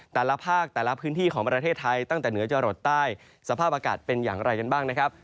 แต่ละภาคแต่ละพื้นที่ของประเทศไทยตั้งแต่เหนือจรดใต้สภาพอากาศเป็นอย่างไรกันบ้างนะครับ